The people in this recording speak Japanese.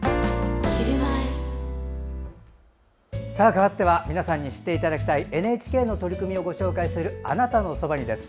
かわっては皆さんに知っていただきたいＮＨＫの取り組みをご紹介する「あなたのそばに」です。